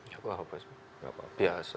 gak apa apa sih biasa